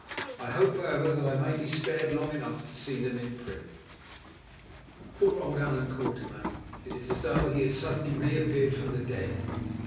I hope, however, that I may be spared long enough to see them in print. "Poor old Allan Quatermain. It is as though he had suddenly reappeared from the dead!